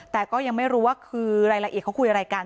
แต่ก็ยังไม่รู้ว่าคือรายละเอียดเขาคุยอะไรกัน